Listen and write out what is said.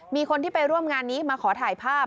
มีคนที่ไปร่วมงานนี้มาขอถ่ายภาพ